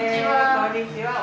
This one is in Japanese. こんにちは。